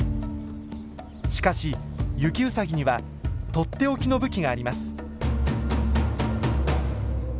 しかしユキウサギにはとっておきの武器があります。